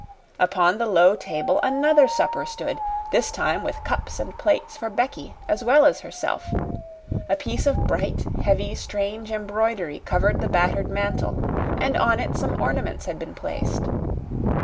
Upon the low table another supper stood this time with cups and plates for Becky as well as herself; a piece of bright, heavy, strange embroidery covered the battered mantel, and on it some ornaments had been placed.